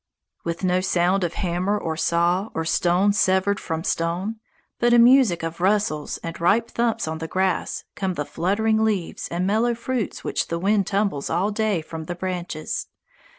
With no sound of hammer or saw or stone severed from stone, but a music of rustles and ripe thumps on the grass come the fluttering leaves and mellow fruits which the wind tumbles all day from the branches.